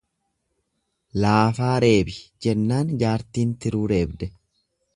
"""Laafaa reebi"" jennaan jaartiin tiruu reebde."